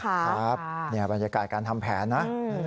ครับเนี่ยบรรยากาศการทำแผนนะ